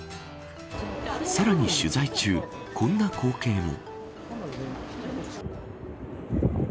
さらに取材中、こんな光景も。